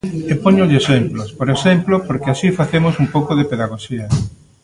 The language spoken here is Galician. E póñolle exemplos, por exemplo, porque así facemos un pouco de pedagoxía.